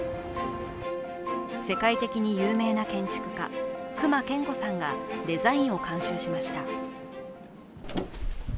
世界的に有名な建築家、隈研吾さんがデザインを監修しました。